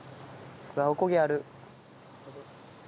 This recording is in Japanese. うわっおこげある。